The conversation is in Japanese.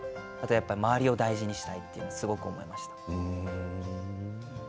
やっぱり周りを大事にしたいとすごく思いました。